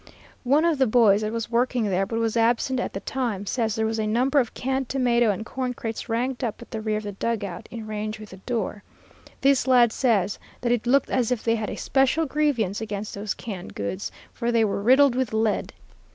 One of the boys that was working there, but was absent at the time, says there was a number of canned tomato and corn crates ranked up at the rear of the dug out, in range with the door. This lad says that it looked as if they had a special grievance against those canned goods, for they were riddled with lead.